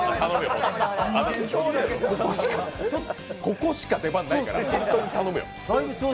ここしか出番ないから、頼むよ。